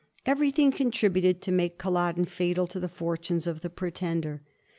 Everything contributed to make Culloden fatal to the fortunes of the Pretender.